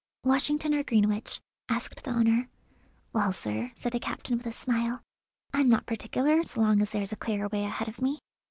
"Washington or Greenwich?" asked the owner. "Well, sir," said the captain with a smile, "I'm not particular, so long as there's a clear way ahead of me.